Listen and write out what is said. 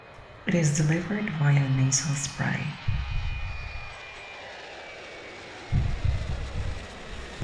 It is delivered via a nasal spray.